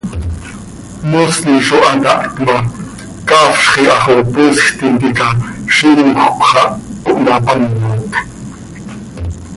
Moosni zo hataht ma, caafzx iha xo poosj tintica zimjöc xah cohmapamot.